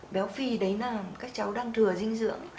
béo phì đấy là các cháu đang thừa dinh dưỡng